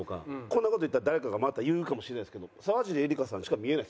こんな事言ったら誰かがまた言うかもしれないですけど沢尻エリカさんにしか見えないです